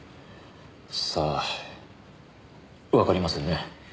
さあわかりませんね。